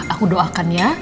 aku doakan ya